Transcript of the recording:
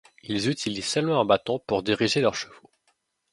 Ils utilisent seulement un bâton pour diriger leurs chevaux.